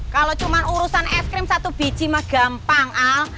kalau cuma urusan es krim satu biji mah gampang al